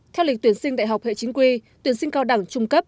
theo lịch tuyển sinh đại học hệ chính quy tuyển sinh cao đẳng trung cấp